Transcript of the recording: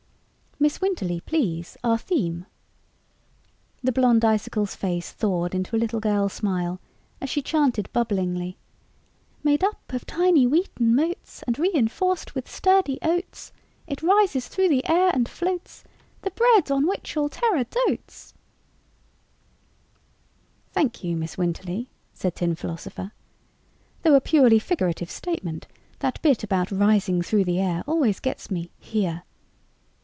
"Miss Winterly, please our theme." The Blonde Icicle's face thawed into a little girl smile as she chanted bubblingly: "_Made up of tiny wheaten motes And reinforced with sturdy oats, It rises through the air and floats The bread on which all Terra dotes!_" "Thank you, Miss Winterly," said Tin Philosopher. "Though a purely figurative statement, that bit about rising through the air always gets me here."